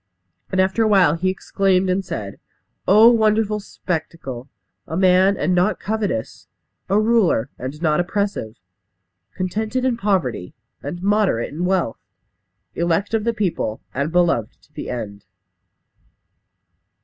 And after a while he exclaimed, and said: "Oh, wonderful spectacle! A man, and not covetous. A ruler, and not oppressive. Contented in poverty, and moderate in wealth. Elect of the people, and beloved to the end!"